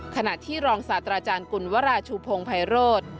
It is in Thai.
ขณะที่รองศาสตราจารย์กุลวราชูพงภัยโรธ